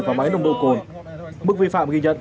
vào máy nồng độ cồn mức vi phạm ghi nhận